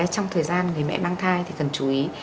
trong thời gian người mẹ mang thai thì cần chú ý